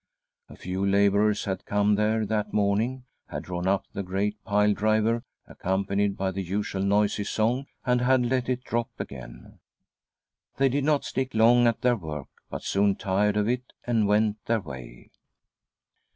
A few labourers had come there that morning, had drawn up the great pile driver, accompanied by the usual noisy song, and had let it drop again. They did not stick long at their work, but soon tired of it, and went their way.